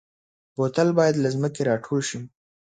بوتل باید له ځمکې راټول شي.